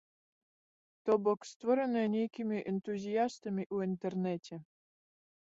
То бок, створаная нейкімі энтузіястамі ў інтэрнэце.